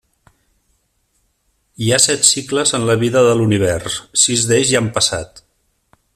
Hi ha set cicles en la vida de l'univers, sis d'ells ja han passat.